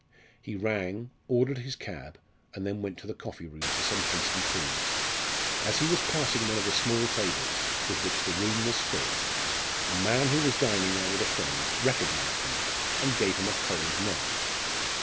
He rang, ordered his cab, and then went to the coffee room for some hasty food. As he was passing one of the small tables with which the room was filled, a man who was dining there with a friend recognised him and gave him a cold nod.